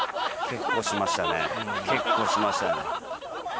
結構しましたね。